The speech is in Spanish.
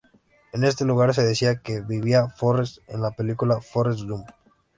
En este lugar se decía que vivía Forrest en la película Forrest Gump.